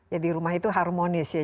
ya di rumah itu harmonis ya